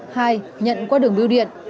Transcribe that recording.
hai nhận qua đường biêu điện